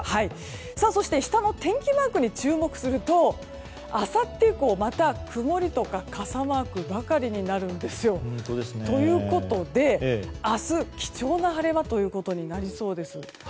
そして、下の天気マークに注目するとあさって以降、また曇りとか傘マークばかりになるんですよ。ということで明日貴重な晴れ間となりそうです。